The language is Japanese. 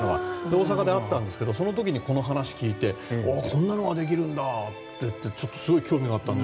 大阪であったんですがその時この話を聞いてこんなのができるんだってすごい興味があったので。